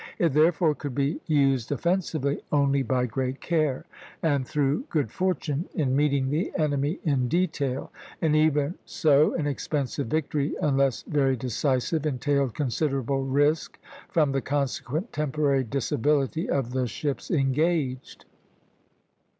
It therefore could be used offensively only by great care, and through good fortune in meeting the enemy in detail; and even so an expensive victory, unless very decisive, entailed considerable risk from the consequent temporary disability of the ships engaged.